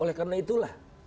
oleh karena itulah